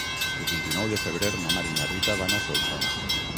El vint-i-nou de febrer na Mar i na Rita van a Solsona.